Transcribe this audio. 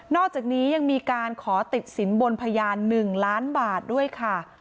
อกจากนี้ยังมีการขอติดสินบนพยาน๑ล้านบาทด้วยค่ะ